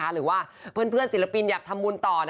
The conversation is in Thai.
หรือว่าเพื่อนศิลปินอยากทำบุญต่อ